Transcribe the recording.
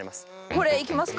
これいきますか？